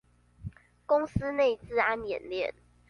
公司內資安演練